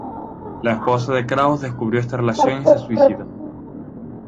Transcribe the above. La esposa de Krauss descubrió esta relación y se suicidó.